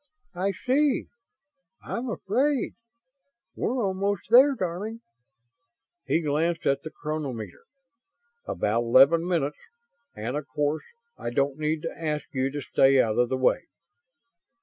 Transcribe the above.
"I see.... I'm afraid. We're almost there, darling." He glanced at the chronometer. "About eleven minutes. And of course I don't need to ask you to stay out of the way."